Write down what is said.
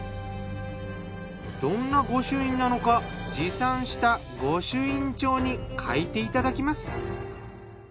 どんな御朱印なのか持参した御朱印帳に書いていただきます。